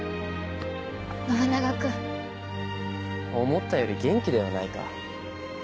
思ったより元気ではないか。